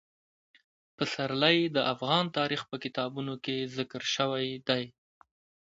پسرلی د افغان تاریخ په کتابونو کې ذکر شوی دي.